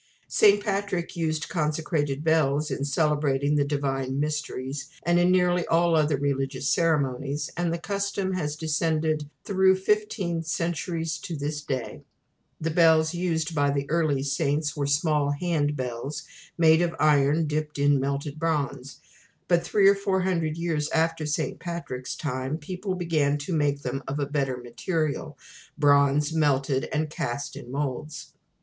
St. Patrick used consecrated bells in celebrating the Divine Mysteries, and in nearly all other religious ceremonies, and the custom has descended through fifteen centuries to this day. The bells used by the early saints were small handbells, made of iron dipped in melted bronze; but three or four hundred years after St. Patrick's time people began to make them of a better material bronze melted and cast in moulds.